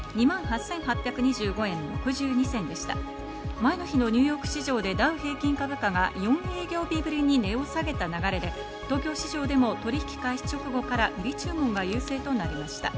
前の日のニューヨーク市場でダウ平均株価が４営業日ぶりに値を下げた流れで、東京市場でも取引開始直後から売り注文が優勢となりました。